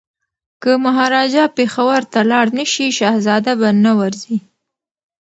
که مهاراجا پېښور ته لاړ نه شي شهزاده به نه ورځي.